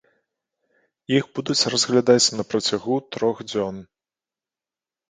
Іх будуць разглядаць на працягу трох дзён.